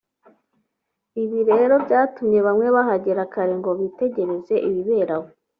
ibi rero byatumye bamwe bahagera kare ngo bitegereze ibibera aho